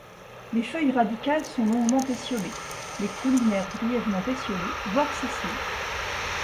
Les feuilles radicales sont longuement pétiolées, les caulinaires brièvement pétiolées voire sessiles.